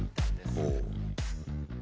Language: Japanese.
ほう！